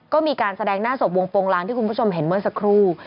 ก็มีการแสดงหน้าศพวงโปรงลางที่คุณผู้ชมเห็นเมื่อสักครู่